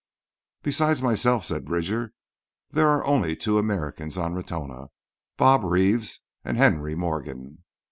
"Besides myself," said Bridger, "there are only two Americans on Ratona—Bob Reeves and Henry Morgan."